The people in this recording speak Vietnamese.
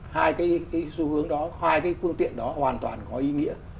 hai cái xu hướng đó hai cái phương tiện đó hoàn toàn có ý nghĩa